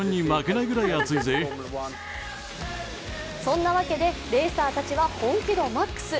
そんなわけでレーサーたちは本気度マックス。